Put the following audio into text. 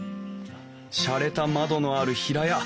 しゃれた窓のある平屋。